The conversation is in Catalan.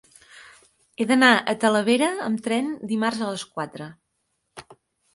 He d'anar a Talavera amb tren dimarts a les quatre.